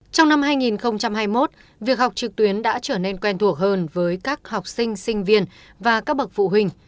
trong năm hai nghìn hai mươi một việc học trực tuyến đã trở nên quen thuộc hơn với các học sinh sinh viên và các bậc phụ huynh